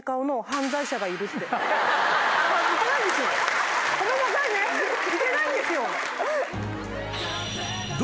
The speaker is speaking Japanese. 行けないんですごめんなさいね行けないんです。